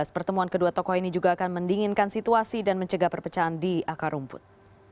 pertemuan kedua tokoh ini juga akan mendinginkan situasi dan mencegah perpecahan di akar rumput